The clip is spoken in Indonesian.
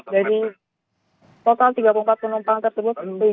jadi total tiga puluh empat penumpang tersebut